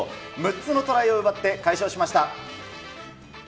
６つのトライを奪って快勝しまし